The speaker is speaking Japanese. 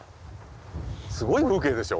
すごい風景でしょ？